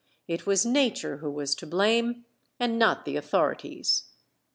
It was Nature who was to blame, and not the authorities.